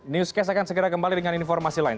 newscast akan segera kembali dengan informasi lain